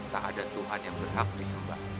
tak ada tuhan yang berhak disembah